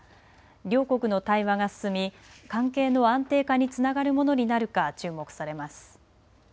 両国の対話が進み関係の安定化につながるものになるか注目されます。